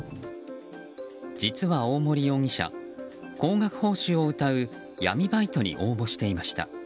実は、大森容疑者高額報酬をうたう闇バイトに応募していました。